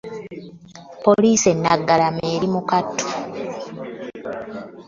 Poliisi e Naggalama eri mu kattu